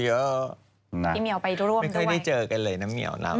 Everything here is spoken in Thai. พี่เมียวไปร่วมด้วยไม่ได้เจอกันเลยน้ำเมียวเรา